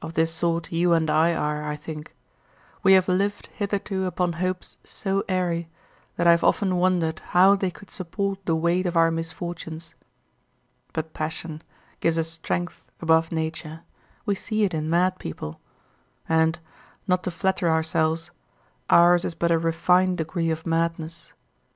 Of this sort you and I are, I think; we have lived hitherto upon hopes so airy that I have often wondered how they could support the weight of our misfortunes; but passion gives a strength above nature, we see it in mad people; and, not to flatter ourselves, ours is but a refined degree of madness.